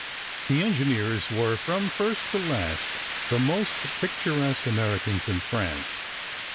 The engineers were, from first to last, the most picturesque Americans in France.